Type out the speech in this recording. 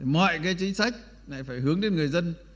mọi cái chính sách lại phải hướng đến người dân